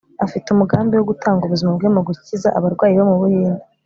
afite umugambi wo gutanga ubuzima bwe mu gukiza abarwayi bo mu buhinde